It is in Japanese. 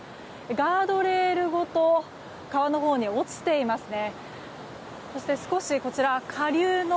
ガードレールごと川のほうに落ちていますね。